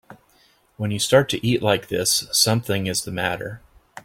When you start to eat like this something is the matter.